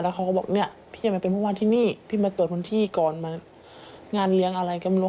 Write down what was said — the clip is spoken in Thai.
แล้วเขาก็บอกเนี่ยพี่ยังไม่เป็นผู้ว่าที่นี่พี่มาตรวจคนที่ก่อนมางานเลี้ยงอะไรก็ไม่รู้